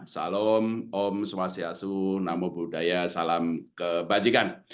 salam om swastiastu namo buddhaya salam kebajikan